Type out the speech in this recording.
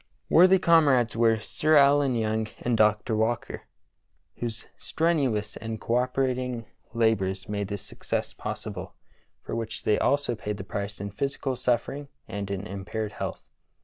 Worthy com rades were Sir Allen Young and Dr. Walker, whose strenuous and co operating labors made this success possible, for which they also paid the price in physical suffering and in impaired health.